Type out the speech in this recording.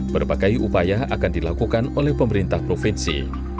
berbagai upaya akan dilakukan oleh pemerintah provinsi